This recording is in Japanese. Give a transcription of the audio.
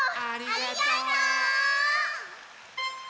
ありがとう！